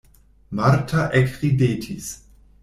Marta ekridetis.